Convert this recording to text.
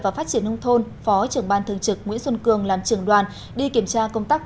và phát triển nông thôn phó trưởng ban thường trực nguyễn xuân cường làm trưởng đoàn đi kiểm tra công tác